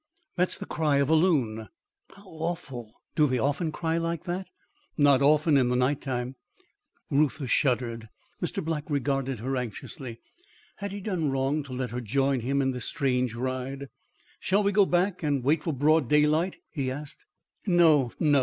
"That's the cry of a loon." "How awful! Do they often cry like that?" "Not often in the nighttime." Reuther shuddered. Mr. Black regarded her anxiously. Had he done wrong to let her join him in this strange ride? "Shall we go back and wait for broad daylight?" he asked. "No, no.